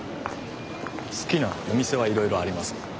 好きなお店はいろいろありますけど。